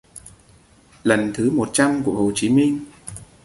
lần thứ một trăm của Hồ Chí Minh